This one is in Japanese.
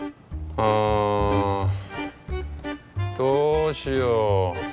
うんどうしよう。